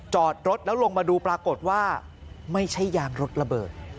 จอดรถแล้วลงมาดูปรากฏว่าไม่ใช่ยางรถระเบิด